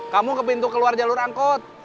kamu ke pintu keluar jalur angkut